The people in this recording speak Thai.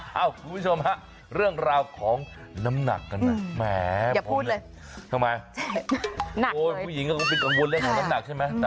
พี่คุณผู้ชมเรื่องราวของน้ำหนัก